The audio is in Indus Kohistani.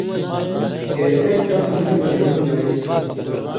کہ ایک ٹَپ مُتیۡ بئ لُوں جائز تھی۔